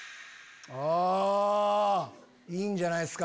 あぁいいんじゃないですか？